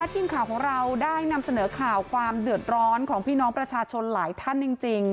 ทีมข่าวของเราได้นำเสนอข่าวความเดือดร้อนของพี่น้องประชาชนหลายท่านจริง